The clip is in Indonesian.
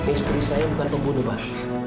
istri saya bukan pembunuh pak